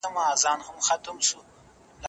ځوانان د رواني مرکزونو ته تلل خوښ نه ګڼي.